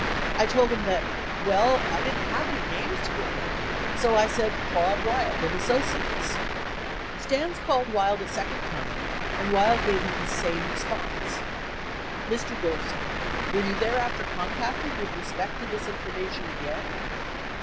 I told him that, well, I didn't have any names to give him, so I said Claude Wild & Associates. 71 Stans called Wild a second time, and Wild gave him the same response : Mr. Dorsen. Were you thereafter contacted with respect to this information again?